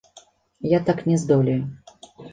Я так не здолею.